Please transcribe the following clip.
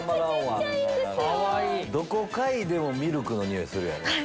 どこ嗅いでもミルクの匂いするやろ。